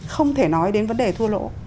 không thể nói đến vấn đề thua lỗ